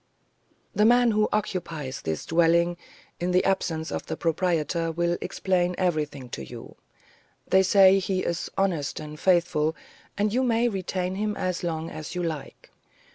The man who occupies this dwelling in the absence of the proprietor will explain everything to you; they say he is honest and faithful, and you may retain him there as long as you like.